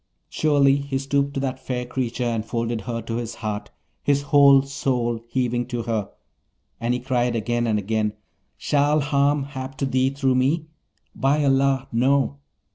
Surely, he stooped to that fair creature, and folded her to his heart, his whole soul heaving to her; and he cried again and again, 'Shall harm hap to thee through me? by Allah, no!'